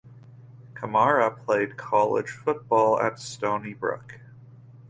Kamara played college football at Stony Brook.